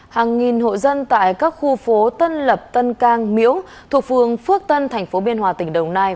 hàng nghìn hộ dân tại các khu phố tân lập tân cang miếu thuộc phường phước tân thành phố biên hòa tỉnh đồng nai